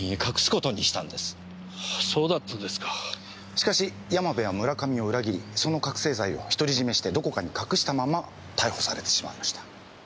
しかし山部は村上を裏切りその覚せい剤を独り占めしてどこかに隠したまま逮捕されてしまいました。